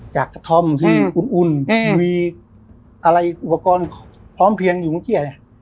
กระท่อมที่อุ่นมีอะไรอุปกรณ์พร้อมเพียงอยู่เมื่อกี้